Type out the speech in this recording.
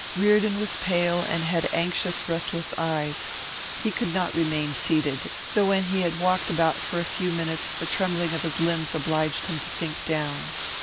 Reardon was pale, and had anxious, restless eyes; he could not remain seated, though when he had walked about for a few minutes the trembling of his limbs obliged him to sink down.